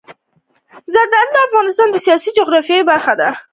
زردالو د افغانستان د سیاسي جغرافیه برخه ده.